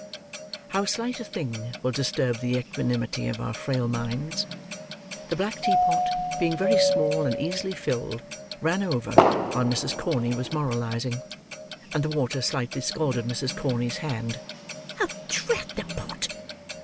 How slight a thing will disturb the equanimity of our frail minds! The black teapot, being very small and easily filled, ran over while Mrs. Corney was moralising; and the water slightly scalded Mrs. Corney's hand. "Drat the pot!"